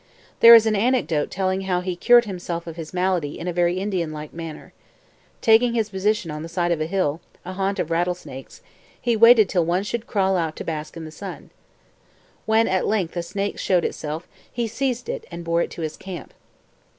There is an anecdote telling how he cured himself of his malady in a very Indian like manner. Taking his position on the side of a hill, a haunt of rattlesnakes, he waited till one should crawl out to bask in the sun. When at length a snake showed itself he seized it and bore it to his camp.